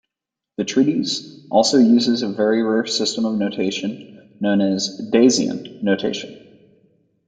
The treatise also uses a very rare system of notation, known as Daseian notation.